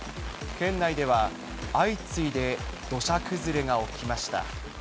県内では相次いで土砂崩れが起きました。